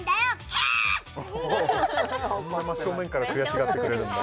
キーッあんな真正面から悔しがってくれるんだ